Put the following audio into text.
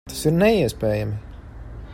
Tas ir neiespējami!